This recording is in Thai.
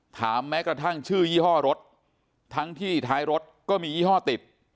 แม้กระทั่งชื่อยี่ห้อรถทั้งที่ท้ายรถก็มียี่ห้อติด